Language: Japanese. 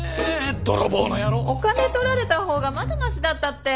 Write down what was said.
お金取られた方がまだましだったって。